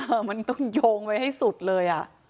มันต้องโยงไว้ให้สุดเลยอ่ะ